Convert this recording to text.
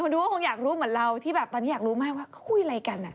คนดูก็คงอยากรู้เหมือนเราที่แบบตอนนี้อยากรู้ไหมว่าคู่มีอะไรกันอ่ะ